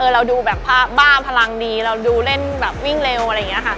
เราดูแบบผ้าบ้าพลังดีเราดูเล่นแบบวิ่งเร็วอะไรอย่างนี้ค่ะ